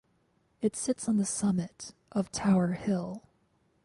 It sits on the summit of Tower Hill.